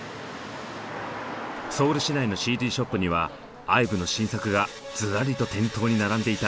ソウル市内のＣＤショップにはＩＶＥの新作がずらりと店頭に並んでいた。